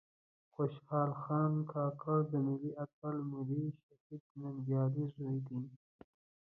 خوشال خان کاکړ د ملي آتل ملي شهيد ننګيالي ﺯوې دې